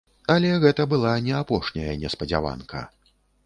Але гэта была не апошняя неспадзяванка.